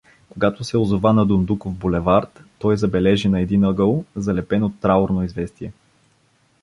Когато се озова на „Дондуков“ булевард, той забележи на един ъгъл залепено траурно известие.